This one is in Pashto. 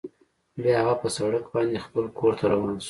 بیا هغه په سړک باندې خپل کور ته روان شو